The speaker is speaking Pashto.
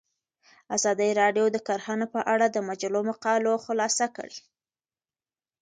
ازادي راډیو د کرهنه په اړه د مجلو مقالو خلاصه کړې.